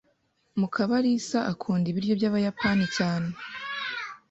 Mukabarisa akunda ibiryo byabayapani cyane.